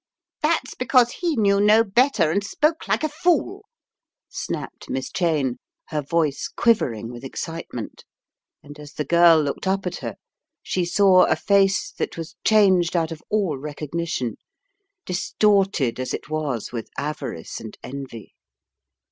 "That's because he knew no better and spoke like a fool," snapped Miss Cheyne, her voice quiver ing with excitement, and as the girl looked up at her, she saw a face that was changed out of all recogni tion, distorted as it was with avarice and envy.